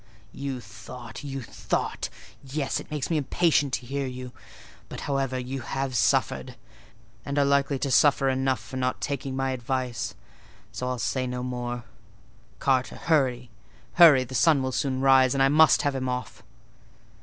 "You thought! you thought! Yes, it makes me impatient to hear you: but, however, you have suffered, and are likely to suffer enough for not taking my advice; so I'll say no more. Carter—hurry!—hurry! The sun will soon rise, and I must have him off."